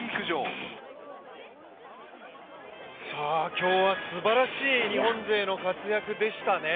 今日はすばらしい日本勢の活躍でしたね。